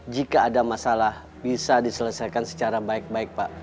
jika ada masalah bisa diselesaikan secara baik baik pak